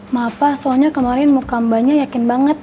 maaf mas soalnya kemarin muka mbaknya yakin banget